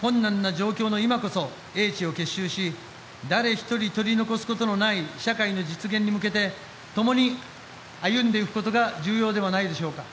困難な状況の今こそ英知を結集し誰一人、取り残すことのない社会の実現に向けて共に歩んでいくことが重要ではないでしょうか。